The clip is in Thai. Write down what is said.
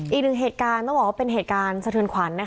อีกหนึ่งเหตุการณ์ต้องบอกว่าเป็นเหตุการณ์สะเทือนขวัญ